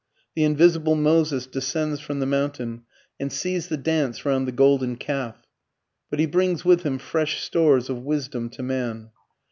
The invisible Moses descends from the mountain and sees the dance round the golden calf. But he brings with him fresh stores of wisdom to man.